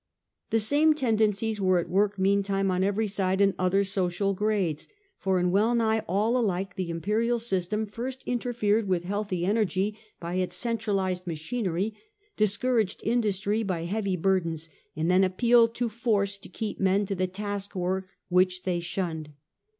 The same tendencies were at work meantime on every side in other social grades, for in wellnigh all alike the imperial system first interfered with healthy energy by its centralised machinery, dis couraged industry by heavy burdens, and then appealed to force to keep men to the taskwork which they shunned.